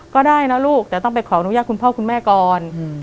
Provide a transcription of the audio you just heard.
ก็ได้นะลูกแต่ต้องไปขออนุญาตคุณพ่อคุณแม่ก่อน